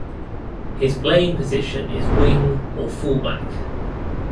His playing position is wing or fullback.